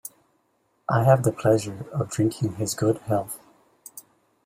I have the pleasure of drinking his good health.